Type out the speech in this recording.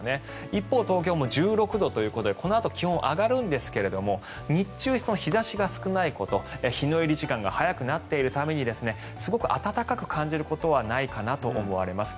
一方、東京も１６度ということでこのあと気温、上がるんですが日中、日差しが少ないこと日の入り時間が早くなっているためにすごく暖かく感じることはないかなと思われます。